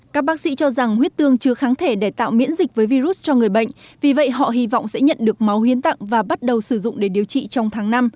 các bác sĩ cho rằng huyết tương chưa kháng thể để tạo miễn dịch với virus cho người bệnh vì vậy họ hy vọng sẽ nhận được máu hiến tặng và bắt đầu sử dụng để điều trị trong tháng năm